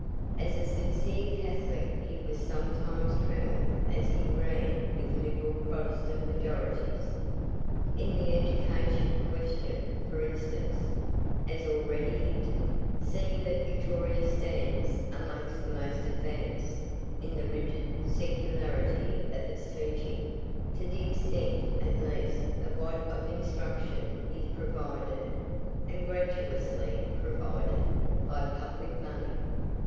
As a sincere Catholic he was sometimes trammelled as he ran with liberal Protestant majorities. In the education question, for instance, as already hinted, seeing that Victoria stands amongst the most advanced in the rigid secularity of its teaching, to the extent, at least, of what of instruction is provided and gratuitously provided by public money.